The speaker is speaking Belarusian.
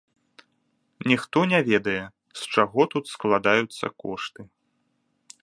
Ніхто не ведае, з чаго тут складаюцца кошты.